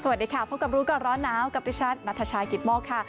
สวัสดีค่ะพบกับร้อนนาวกับดิชันนัทชายคริสบอลกค่ะ